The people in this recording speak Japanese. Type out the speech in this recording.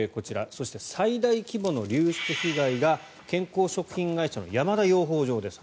そして、最大規模の流出被害が健康食品会社の山田養蜂場です。